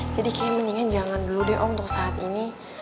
jadi kayaknya mendingan jangan dulu deh om untuk saat ini